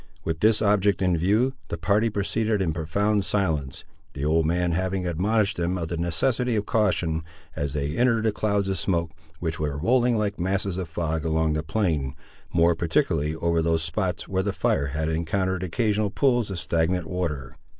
With this object in view, the party proceeded in profound silence, the old man having admonished them of the necessity of caution, as they entered the clouds of smoke, which were rolling like masses of fog along the plain, more particularly over those spots where the fire had encountered occasional pools of stagnant water.